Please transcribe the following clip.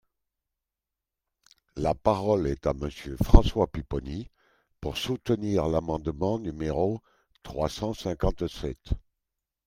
La parole est à Monsieur François Pupponi, pour soutenir l’amendement numéro trois cent cinquante-sept.